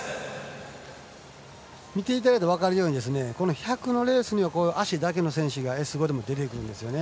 見ていただくと分かるとおり１００のレースには足だけの選手がＳ５でも出てくるんですね。